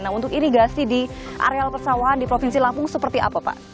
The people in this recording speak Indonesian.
nah untuk irigasi di areal persawahan di provinsi lampung seperti apa pak